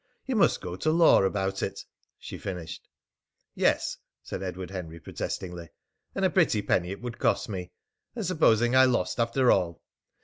You must go to law about it," she finished. "Yes," said Edward Henry protestingly. "And a pretty penny it would cost me! And supposing I lost, after all?